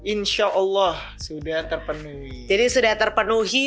insya allah sudah terpenuhi